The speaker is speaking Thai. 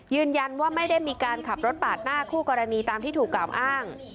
ยืนยันว่าไม่ได้มีการขับรถปาดหน้าคู่กรณีตามที่ถูกกล่าวอ้าง